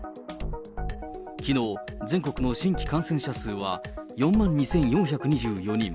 きのう、全国の新規感染者数は４万２４２４人。